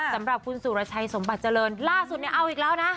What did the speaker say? สำหรับคุณสุรชัยสมบัติเจริญล่าสุดเนี่ยเอาอีกแล้วนะ